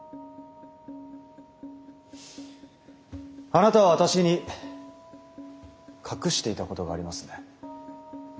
あなたは私に隠していたことがありますね？